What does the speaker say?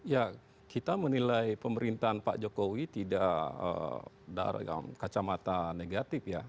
ya kita menilai pemerintahan pak jokowi tidak kacamata negatif ya